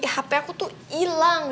hp aku tuh ilang